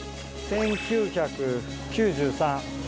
１９９３。